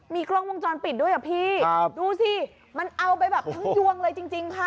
มีกล้องวงจรปิดด้วยอ่ะพี่ดูสิมันเอาไปแบบทั้งยวงเลยจริงค่ะ